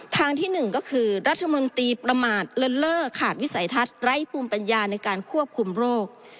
ทางที่๑ก็คือรัฐมนตรีประมาทเลินเล่อขาดวิสัยทัศน์ไร้ภูมิปัญญาในการควบคุมโรค